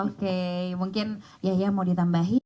oke mungkin yaya mau ditambahi